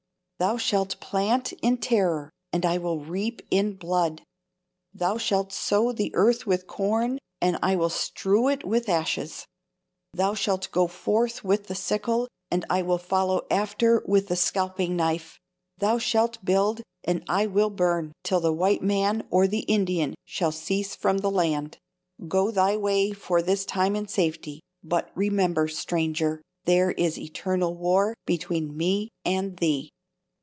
Thou shalt plant in terror, and I will reap in blood! thou shalt sow the earth with corn, and I will strew it with ashes! thou shalt go forth with the sickle, and I will follow after with the scalping knife! thou shalt build, and I will burn, till the white man or the Indian shall cease from the land. Go thy way for this time in safety, but remember, stranger, there is eternal war between me and thee!